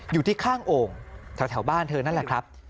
อยู่ที่ข้างโอ่งแถวบ้านเธอนั่นแหละครับ